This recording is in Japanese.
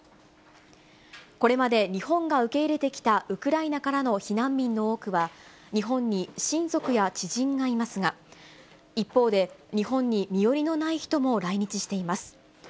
これまで日本が受け入れてきたウクライナからの避難民の多くは、日本に親族や知人がいますが、一方で、日本に身寄りのない人も来日しています。